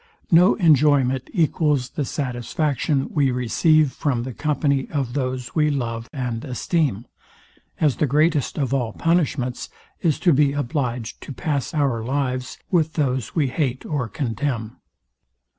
No enjoyment equals the satisfaction we receive from the company of those we love and esteem; as the greatest of all punishments is to be obliged to pass our lives with those we hate or contemn.